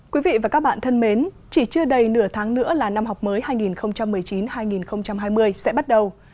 quý vị và các bạn thân mến chỉ chưa đầy nửa tháng nữa là năm học mới hai nghìn một mươi chín hai nghìn hai mươi sẽ bắt đầu